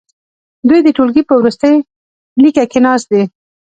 دوی د ټوولګي په وروستي لیکه کې ناست دي.